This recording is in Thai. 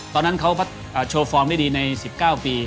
ตอนนั้นเขาโชว์ฟอร์มได้ดีใน๑๙ปี